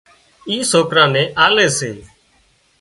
اِي سوڪران نين آلي سي